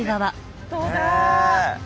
本当だ。